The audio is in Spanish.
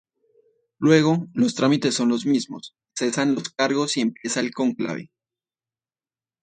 Luego, los trámites son los mismos: cesan todos los cargos y empieza el cónclave.